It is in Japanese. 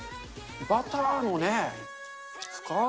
バターのね、深ー